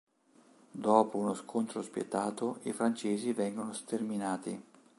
Dopo uno scontro spietato i francesi vengono sterminati.